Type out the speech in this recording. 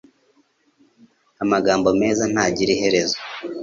amagambo meza ntagira iherezo